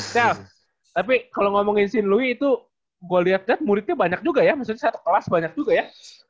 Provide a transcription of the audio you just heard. chav tapi kalo ngomongin sin lui itu gue liat liat muridnya banyak juga ya maksudnya satu kelas banyak juga ya